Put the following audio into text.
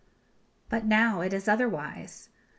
But now it is otherwise.